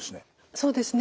そうですね。